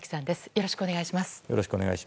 よろしくお願いします。